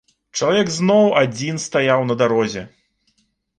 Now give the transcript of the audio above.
Чалавек зноў адзін стаяў на дарозе.